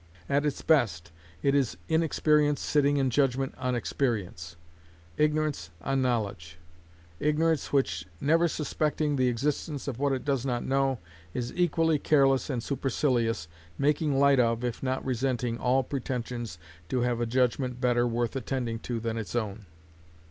At its best, it is inexperience sitting in judgment on experience, ignorance on knowledge; ignorance which, never suspecting the existence of what it does not know, is equally careless and supercilious, making light of, if not resenting, all pretensions to have a judgment better worth attending to than its own.